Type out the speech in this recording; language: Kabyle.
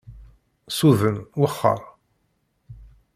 Suden, wexxer.